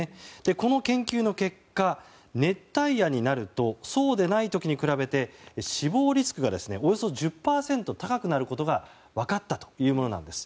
この研究の結果熱帯夜になるとそうでない時に比べて死亡リスクがおよそ１０％高くなることが分かったというものなんです。